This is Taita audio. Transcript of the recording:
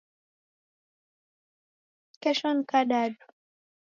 Kesho ni kadadu